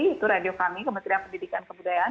itu radio kami kementerian pendidikan kebudayaan